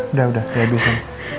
udah udah dihabisin